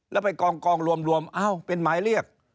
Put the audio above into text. แล้วไปกองรวมอ้าวเป็นหมายเรียก